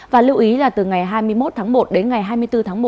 và lưu ý là từ ngày hai mươi một tháng một đến ngày ba mươi một tháng một